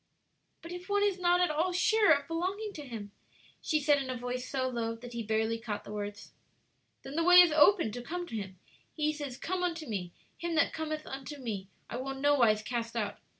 '" "But if one is not at all sure of belonging to Him?" she said, in a voice so low that he barely caught the words. "Then the way is open to come to Him. He says, 'Come unto me.' 'Him that cometh unto me, I will in no wise cast out.'